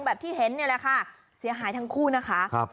แบบที่เห็นเนี่ยแหละค่ะเสียหายทั้งคู่นะคะครับ